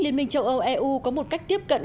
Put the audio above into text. liên minh châu âu eu có một cách tiếp cận